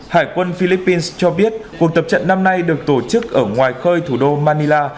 hải quân philippines cho biết cuộc tập trận năm nay được tổ chức ở ngoài khơi thủ đô manila